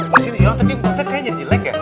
bersinnya siapa ternyata kayaknya jadi jelek ya